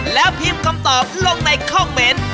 แล้วพิมพ์คำตอบลงในคอมเมนต์